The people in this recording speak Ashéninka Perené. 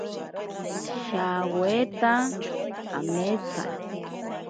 Shaweta kametsari.